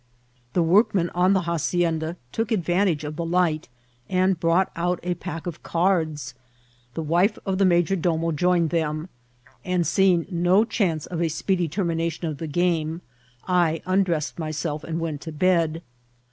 The workmen on the hacienda took advantage of the light, and brought out a pack of cards. The wife of the major domo joined them, and seeing no chance of a speedy termina tion of the game, I undressed myself and went to bed.